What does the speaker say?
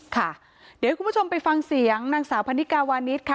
ค่ะเดี๋ยวให้คุณผู้ชมไปฟังเสียงนางสาวพันนิกาวานิสค่ะ